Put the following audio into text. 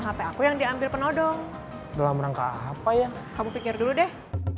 hp aku yang diambil penodong dalam rangka apa ya kamu pikir dulu deh